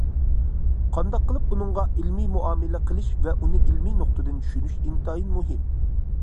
قانداق قىلىپ ئۇنىڭغا ئىلمىي مۇئامىلە قىلىش ۋە ئۇنى ئىلمىي نۇقتىدىن چۈشىنىش ئىنتايىن مۇھىم.